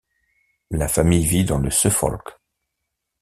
La famille vit dans le Suffolk.